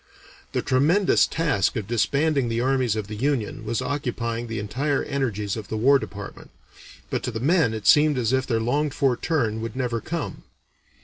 The tremendous task of disbanding the armies of the Union was occupying the entire energies of the War Department, but to the men it seemed as if their longed for turn would never come.